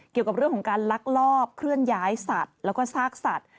เกี่ยวกับเรื่องของการลักลอบเคลื่อนย้ายสัตว์แล้วก็ซากสัตว์